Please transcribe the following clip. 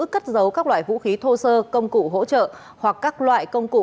cất dấu các loại vũ khí thô sơ công cụ hỗ trợ hoặc các loại công cụ